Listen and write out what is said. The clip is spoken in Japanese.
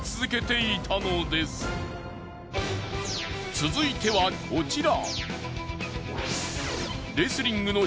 続いてはこちら。